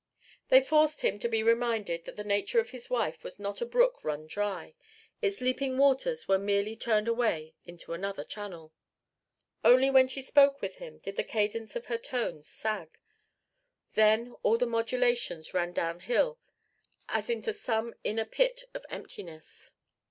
They forced him to be reminded that the nature of his wife was not a brook run dry; its leaping waters were merely turned away into another channel. Only when she spoke with him did the cadence of her tones sag; then all the modulations ran downhill as into some inner pit of emptiness.